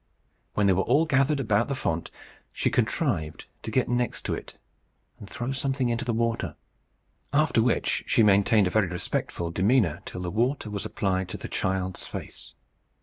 When they were all gathered about the font, she contrived to get next to it, and throw something into the water; after which she maintained a very respectful demeanour till the water was applied to the child's face.